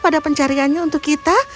pada pencariannya untuk kita